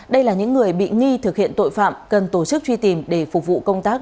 đây là những người bị nghi thực hiện tội phạm cần tổ chức truy tìm để phục vụ công tác